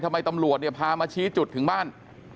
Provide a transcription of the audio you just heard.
ทำไมตำรวจนี่พามาชี้จุดถึงบ้าน